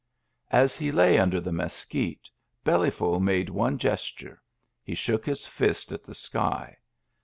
As he lay under the mesquite. Bellyful made one gesture — he shook his fist at the sky.